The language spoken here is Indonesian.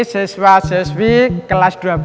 seswa seswi kelas dua belas